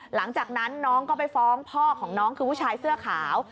หลังจากนั้นน้องก็ไปฟ้องพ่อของน้องคือผู้ชายเสื้อขาว